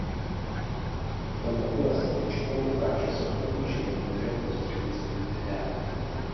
V tomto kole se většinou ukáže soukromý život muže prostřednictvím videa.